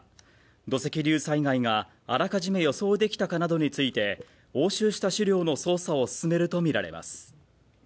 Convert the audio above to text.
土石流災害があらかじめ予想できたかなどについて押収した資料の捜査を進めるとみられます。